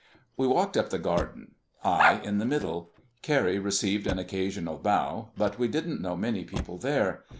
We walked up the garden, I in the middle. Carrie received an occasional bow, but we didn't know many people there.